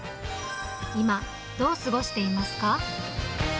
今、どう過ごしていますか？